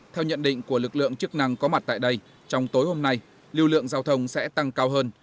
theo nhận định của lực lượng chức năng có mặt tại đây trong tối hôm nay lưu lượng giao thông sẽ tăng cao hơn